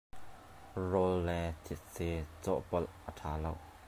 Rawl le thetse cawhpawlh a ṭha lo.